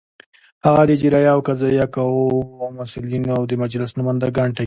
هغه د اجرائیه او قضائیه قواوو مسؤلین او د مجلس نوماندان ټاکي.